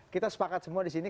kita sepakat semua di sini